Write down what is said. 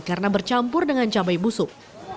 karena bercampur dengan cabai busuk